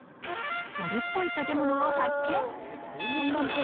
それっぽい建物を発見！